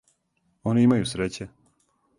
Они имају среће.